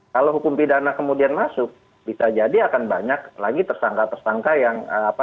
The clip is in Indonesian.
kalau hukum pidana kemudian masuk bisa jadi akan banyak lagi tersangka tersangka yang apa namanya yang terlibat